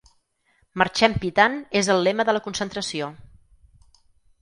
Marxem pitant és el lema de la concentració.